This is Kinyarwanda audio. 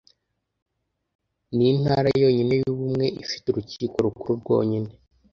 Nintara yonyine yubumwe ifite Urukiko Rukuru rwonyine